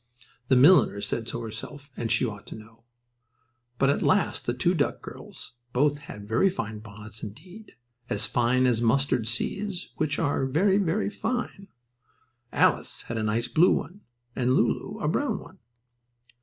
The milliner said so herself, and she ought to know. But at last the two duck girls both had very fine bonnets indeed; as fine as mustard seeds, which are very, very fine. Alice had a nice blue one, and Lulu a brown one.